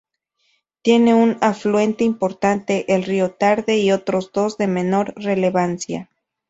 Tiene un afluente importante, el río Tarde y otros dos de menor relevancia.